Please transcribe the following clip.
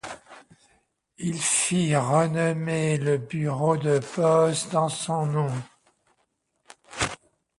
Il fit renommé le bureau de poste en son nom.